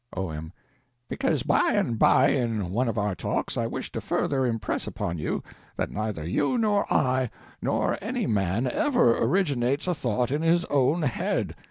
O.M. Because by and by in one of our talks, I wish to further impress upon you that neither you, nor I, nor any man ever originates a thought in his own head.